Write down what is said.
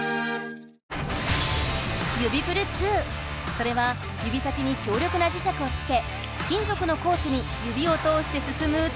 それは指先に強力な磁石をつけ金ぞくのコースに指を通してすすむタイムレース。